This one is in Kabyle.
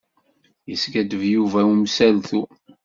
Yeskaddeb Yuba i umsaltu.